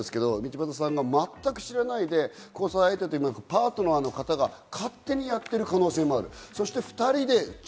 今は道端容疑者ですけど、道端さんが全く知らないで、交際相手のパートナーの方が勝手にやっている可能性もある。